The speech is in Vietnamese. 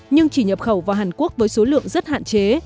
nhưng chỉ nhập khẩu vào hàn quốc với số lượng rất hạn chế